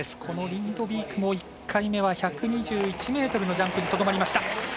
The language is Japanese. このリンドビークも１回目は１２１ｍのジャンプにとどまりました。